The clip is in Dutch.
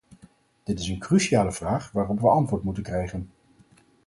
Dit is een cruciale vraag waarop we antwoord moeten krijgen.